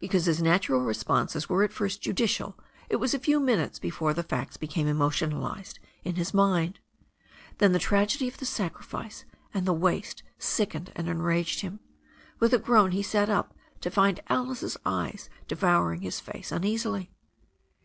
Because his natural responses were at first judicial it ^as a few minutes before the facts became emotionalized 336 THE STORY OF A NEW ZEALAND RIVER in his mind. Then the tragedy of the sacrifice and the waste sickened and enraged him. With a groan he sat up to find Alice's eyes devouring his face uneasily.